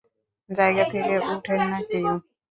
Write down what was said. জায়গা থেকে উঠেন না কেউ।